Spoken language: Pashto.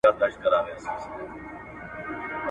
له شهیده څه خبر دي پر دنیا جنتیان سوي ..